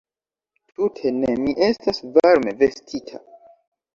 Tute ne, mi estas varme vestita.